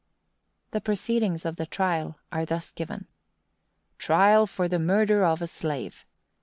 The proceedings of the trial are thus given: TRIAL FOR THE MURDER OF A SLAVE.